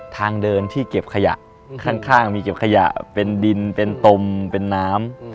ทางเดินที่เก็บขยะข้างมีเก็บขยะเป็นดินเป็นตมเป็นน้ำ